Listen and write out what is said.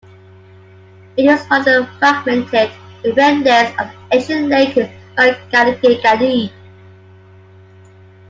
It is one of the fragmented remnants of the ancient Lake Makgadikgadi.